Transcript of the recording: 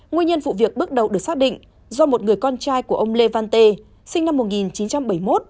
nguyên nhân vụ việc bước đầu được xác định do một người con trai của ông lê văn tê sinh năm một nghìn chín trăm bảy mươi một